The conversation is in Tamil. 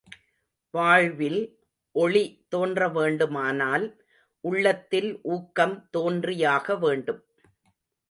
வாழ்வில் ஒளி தோன்ற வேண்டுமானால், உள்ளத்தில் ஊக்கம் தோன்றியாக வேண்டும்.